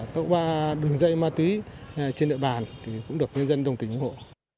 các đường dây ma túy trên nợ bàn cũng được dân đồng tình ủng hộ